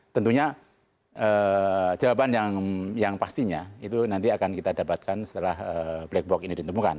tentunya jawaban yang pastinya itu nanti akan kita dapatkan setelah black box ini ditemukan